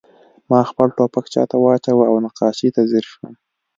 ما خپل ټوپک شاته واچاوه او نقاشۍ ته ځیر شوم